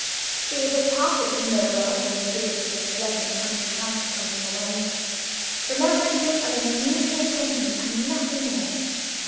She would have parted from Mirabel, when the visit to the pleasant country house had come to an end, remembering him as an amusing acquaintance and nothing more.